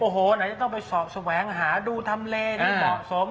โอ้โหไหนจะต้องไปสอบแสวงหาดูทำเลที่เหมาะสม